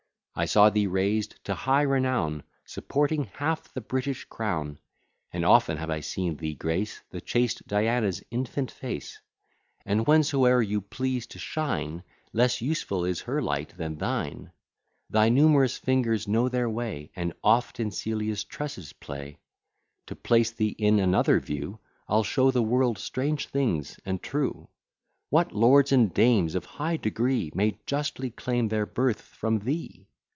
I saw thee raised to high renown, Supporting half the British crown; And often have I seen thee grace The chaste Diana's infant face; And whensoe'er you please to shine, Less useful is her light than thine: Thy numerous fingers know their way, And oft in Celia's tresses play. To place thee in another view, I'll show the world strange things and true; What lords and dames of high degree May justly claim their birth from thee!